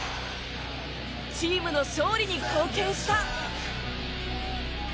チームの勝利に貢献した。